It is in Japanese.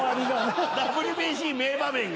ＷＢＣ名場面が。